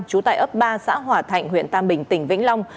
trú tại ấp ba xã hòa thạnh huyện tam bình tỉnh vĩnh long